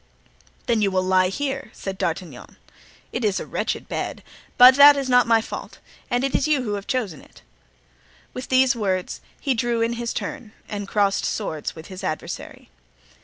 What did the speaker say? "Then you will lie here," said D'Artagnan. "It is a wretched bed, but that is not my fault, and it is you who have chosen it." With these words he drew in his turn and crossed swords with his adversary.